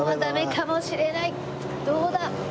どうだ？